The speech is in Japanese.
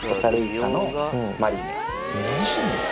何してんの？